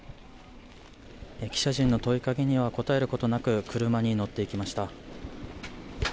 記者陣の問いかけには答えることなく車に乗っていきました。